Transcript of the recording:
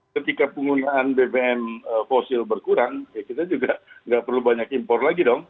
ketika penggunaan bbm fosil berkurang ya kita juga nggak perlu banyak impor lagi dong